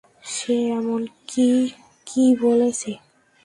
সে এমনকি কি বলছে?